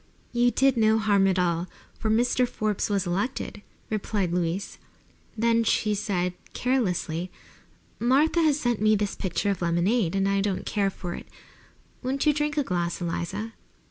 "You did no harm at all, for Mr. Forbes was elected," replied Louise. Then she said, carelessly: "Martha has sent me this pitcher of lemonade, and I don't care for it. Won't you drink a glass, Eliza?"